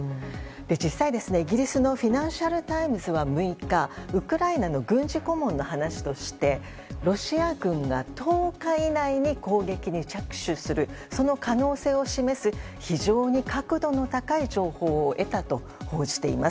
実際、イギリスのフィナンシャル・タイムズは６日ウクライナの軍事顧問の話としてロシア軍が１０日以内に攻撃に着手するその可能性を示す非常に確度の高い情報を得たと報じています。